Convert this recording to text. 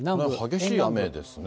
激しい雨ですね。